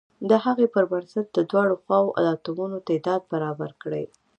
د هغې پر بنسټ د دواړو خواو د اتومونو تعداد برابر کړئ.